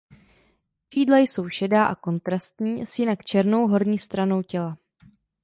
Křídla jsou šedá a kontrastní s jinak černou horní stranou těla.